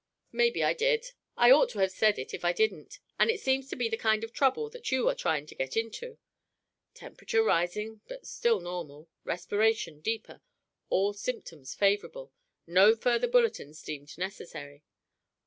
"Maybe I did. I ought to have said it if I didn't; and it seems to be the kind of trouble that you are trying to get into. (Temperature rising but still normal. Respiration deeper. All symptoms favorable. No further bulletins deemed necessary.)